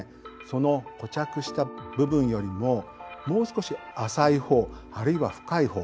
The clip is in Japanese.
その固着した部分よりももう少し浅い方あるいは深い方